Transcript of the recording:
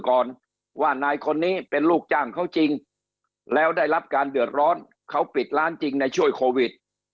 ก่อนว่านายคนนี้เป็นลูกจ้างเขาจริงแล้วได้รับการเดือดร้อนเขาปิดร้านจริงในช่วงโควิด